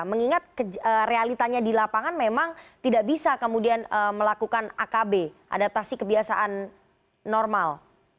mengingat realitanya di lapangan memang tidak bisa kemudian melakukan akb adaptasi kebiasaan normal